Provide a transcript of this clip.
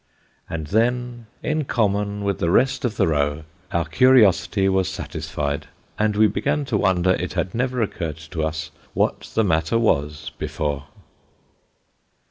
And then, in common with the rest of the row, our curiosity was satisfied, and we began to wonder it had never occurred to us what the matter was, before.